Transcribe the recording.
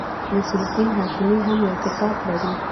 نصیر الدین هاشمي هم یو کتاب لري.